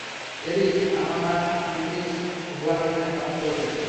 Eric, আপনি Miss হুবারম্যানের পাশে বসবেন।